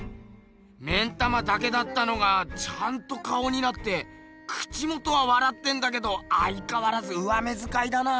目ん玉だけだったのがちゃんと顔になって口元はわらってんだけどあいかわらず上目づかいだな。